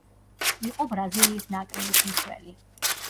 იყო ბრაზილიის ნაკრების მცველი.